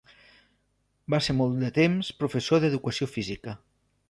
Va ser molt de temps professor d'educació física.